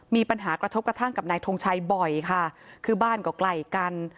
มีปัญหากระทบกระทั่งกับนายทงชัยบ่อยค่ะคือบ้านก็ไกลกัน